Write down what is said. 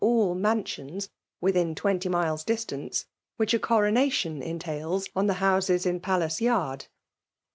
all mansions within twenty miles distance, which a coronation entails on the houses in Ptdace Yard.